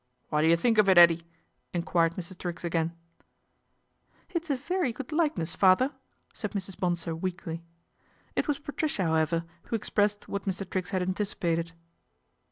" What do you think of it, 'Ettie ?" enquired Mr. Triggs again. " It's a very good likeness, father/' said Mrs. Bonsor weakly. It was Patricia, however, who expressed what Mr. Triggs had anticipated.